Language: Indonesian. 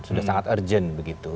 sudah sangat urgent begitu